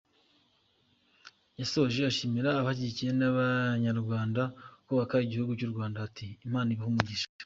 Yashoje ashimira abashyigikiye n’Abanyarwanda kubaka igihuga cy’Urwanda ati : “Imana ibahe umugisha”.